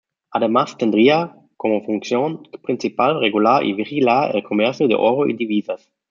Además tendría como función principal regular y vigilar el comercio de oro y divisas.